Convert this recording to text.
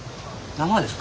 生ですか？